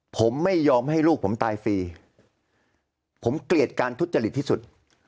ผมไม่ยอมให้ลูกผมตายฟรีผมเกลียดการทุจริตที่สุด